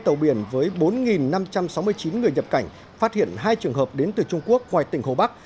hai tàu biển với bốn năm trăm sáu mươi chín người nhập cảnh phát hiện hai trường hợp đến từ trung quốc ngoài tỉnh hồ bắc